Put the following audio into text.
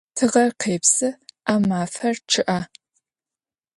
Тыгъэр къепсы, ау мафэр чъыӏэ.